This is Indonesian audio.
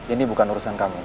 ini bukan urusan kamu